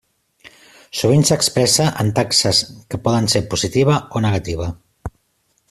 Sovint s'expressa en taxes que poden ser positiva o negativa.